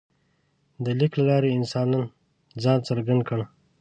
د لیک له لارې انسان ځان څرګند کړ.